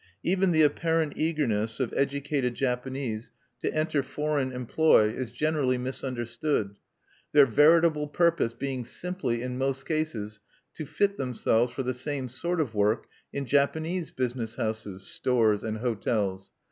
Even the apparent eagerness of educated Japanese to enter foreign employ is generally misunderstood; their veritable purpose being simply, in most cases, to fit themselves for the same sort of work in Japanese business houses, stores, and hotels.